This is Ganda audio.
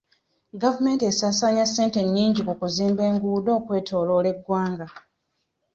Gavumenti esaasaanya ssente nnyinji ku kuzimba enguudo okwetooloola eggwanga.